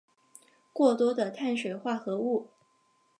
过多的碳水化合物